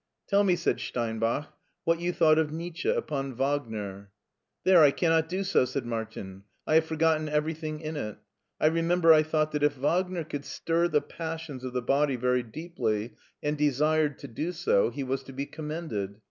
" Tell me," said Steinbach, " what you thought of Nietzsche upon Wagner." "There, I cannot do so," said Martin; "I have forgotten everything in it. I remember I thought that if Wagner could stir the passions of the body very deeply, and desired to do so, he was to be commended.